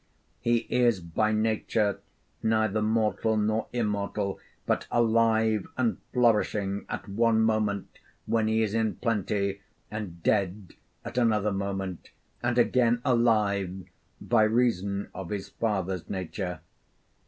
He is by nature neither mortal nor immortal, but alive and flourishing at one moment when he is in plenty, and dead at another moment, and again alive by reason of his father's nature.